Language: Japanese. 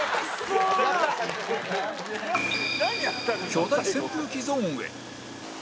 巨大扇風機ゾーンへ